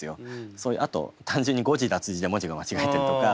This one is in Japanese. あと単純に誤字脱字で文字が間違えてるとか。